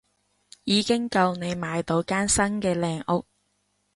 已經夠你買到間新嘅靚屋